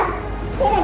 không trúng thì mình mất